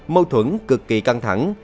mâu thuẫn cực kỳ căng thẳng